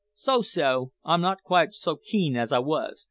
"So, so! I'm not quite so keen as I was.